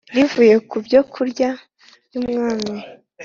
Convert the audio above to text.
rivuye ku byokurya by’umwami